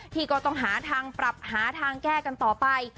ที่ก็ต้องหาทางปรับหาทางแก้กันต่อไป